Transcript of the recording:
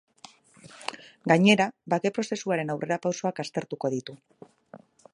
Gainera, bake prozesuaren aurrerapausoak aztertuko ditu.